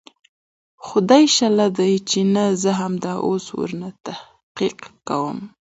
خو دى شله ديه چې نه زه همدا اوس ورنه تحقيق کوم.